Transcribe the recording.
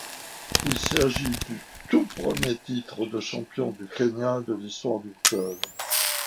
Il s’agit du tout premier titre de champion du Kenya de l’histoire du club.